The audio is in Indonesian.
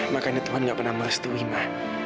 makanya tuhan gak pernah merestui ma